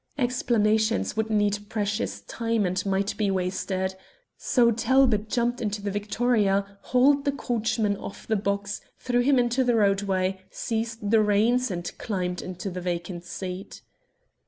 Explanations would need precious time and might be wasted. So Talbot jumped into the victoria, hauled the coachman off the box, threw him into the roadway, seized the reins, and climbed into the vacant seat.